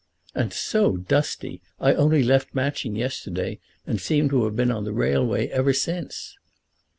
"And so dusty! I only left Matching yesterday, and seem to have been on the railway ever since."